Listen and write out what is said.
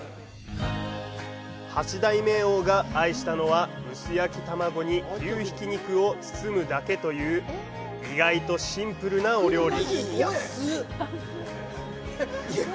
８代目王が愛したのは薄焼き卵に牛ひき肉を包むだけという意外とシンプルなお料理。